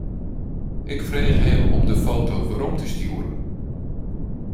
Ik frege him om de foto werom te stjoeren.